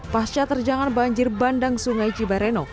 pasca terjangan banjir bandang sungai cibareno